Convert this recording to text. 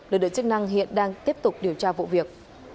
đối tượng chức năng hiện đang tiếp tục điều tra vụ việc